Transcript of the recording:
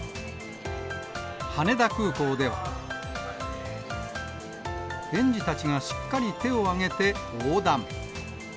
羽田空港では、園児たちがしっかり手を上げて横断。